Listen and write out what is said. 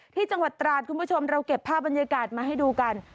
ที่จังหวัดตราดคุณผู้ชมเราเก็บภาพบรรยากาศมาให้ดูกัน